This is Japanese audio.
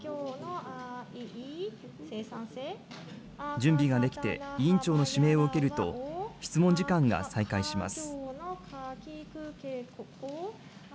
準備ができて、委員長の指名を受けると、質問時間が再開します。